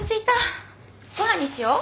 ご飯にしよう？